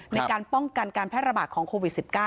ในการป้องกันการแพร่ระบาดของโควิด๑๙